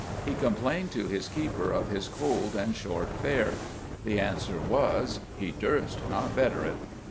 He complained to his keeper of his cold and short fare. The answer was 'He durst not better it.